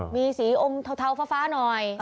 มีสีอมเทาฟ้าหน่อย